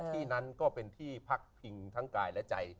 ที่นั้นก็เป็นที่พักพิงทั้งกายและใจ